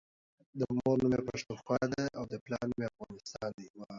دمور نوم يی پښتونخوا دی دپلار افغانستان